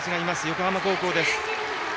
横浜高校です。